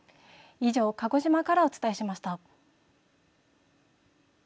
以上、鹿児島からお伝えしました。